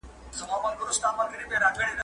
زه پرون زدکړه وکړه؟